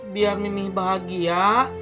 biar mimi bahagia